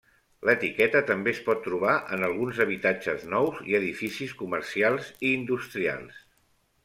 L'etiqueta també es pot trobar en alguns habitatges nous i edificis comercials i industrials.